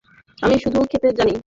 আমি শুধু খেতে জানি।